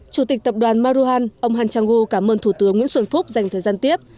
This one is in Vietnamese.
chủ tịch tập đoàn maruhan ông han chang gu cảm ơn thủ tướng nguyễn xuân phúc dành thời gian tiếp